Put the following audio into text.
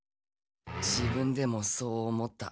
自分でもそう思った。